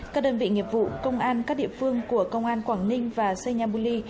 các đơn vị nghiệp vụ công an các địa phương của công an quảng ninh và senyabuli